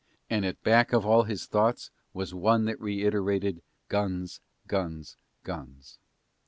And at back of all his thoughts was one that reiterated guns, guns, guns.